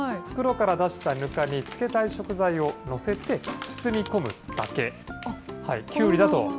袋から出したぬかに漬けたい食材を載せて、包み込むだけ。